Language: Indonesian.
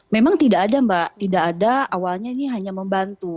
memang tidak ada mbak tidak ada awalnya ini hanya membantu